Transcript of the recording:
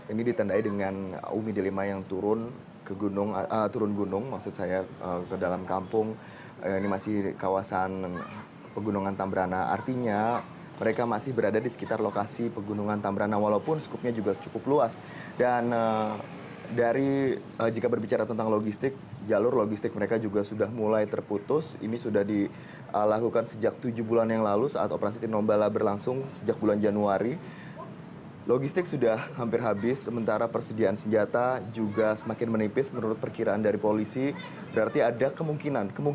ini ditandai dengan umi delima yang turun ke gunung turun gunung maksud saya ke dalam kampung